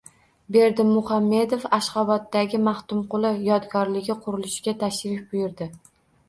Berdimuhamedov Ashxoboddagi Maxtumquli yodgorligi qurilishiga tashrif buyurdi